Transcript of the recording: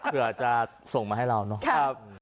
เผื่อจะส่งมาให้เราเนาะ